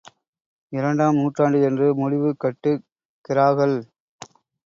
இரண்டாம் நூற்றாண்டு என்று முடிவு கட்டுகிறாகள்.